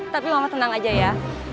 tapi mama tenang aja ya